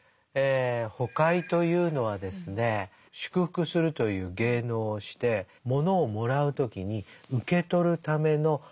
「ほかひ」というのはですね祝福するという芸能をしてものをもらう時に受け取るための入れ物なんですね。